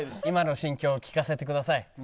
今の心境を聞かせてください。